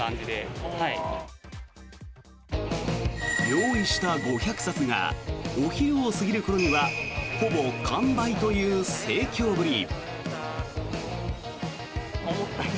用意した５００冊がお昼を過ぎる頃にはほぼ完売という盛況ぶり。